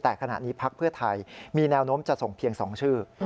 แต่ขณะนี้พักเพื่อไทยมีแนวโน้มจะส่งเพียง๒ชื่อ